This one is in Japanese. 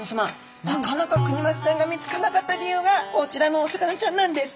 なかなかクニマスちゃんが見つからなかった理由がこちらのお魚ちゃんなんです！